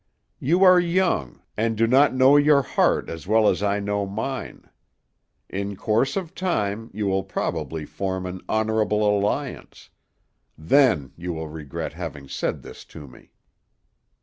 "You are young, and do not know your heart as well as I know mine. In course of time you will probably form an honorable alliance; then you will regret having said this to me."